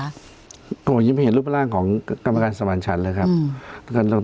ผมยิ้มเห็นรูปร่างของกรรมการสมานชั้นเลยครับ